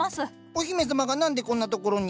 お姫様が何でこんな所に。